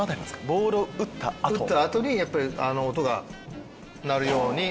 ボールを打った後？打った後にやっぱりあの音が鳴るように。